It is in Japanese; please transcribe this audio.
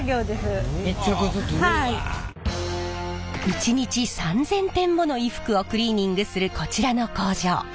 一日３，０００点もの衣服をクリーニングするこちらの工場。